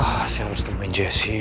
ah saya harus temuin jesse